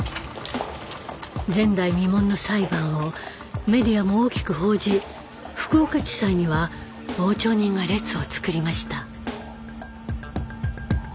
前代未聞の裁判をメディアも大きく報じ福岡地裁には傍聴人が列を作りました。